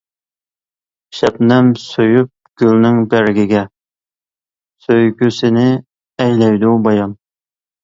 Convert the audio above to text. شەبنەم سۆيۈپ گۈلنىڭ بەرگىگە، سۆيگۈسىنى ئەيلەيدۇ بايان.